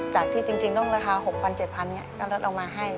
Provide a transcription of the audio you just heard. จากที่จริงต้องราคา๖๐๐๐๗๐๐๐บาทก็รัดออกมาให้